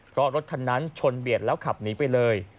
เพราะรถคันนั้นชนเบียดแล้วขับหนีไปเลย